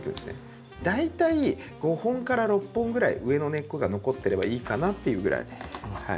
大体５本から６本ぐらい上の根っこが残ってればいいかなっていうぐらい。